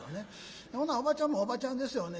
おばちゃんもおばちゃんですよね。